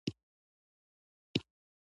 توت خواږه دی.